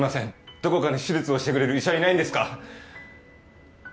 どこかに手術をしてくれる医者はいないんですか？